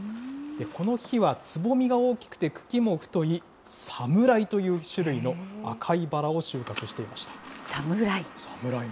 この日はつぼみが大きくて茎も太いサムライという種類の赤いバラサムライ？